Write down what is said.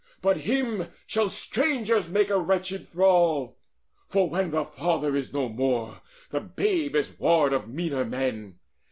But him shall strangers make a wretched thrall: For when the father is no more, the babe Is ward of meaner men.